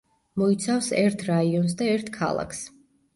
მოიცავს ერთ რაიონს და ერთ ქალაქს.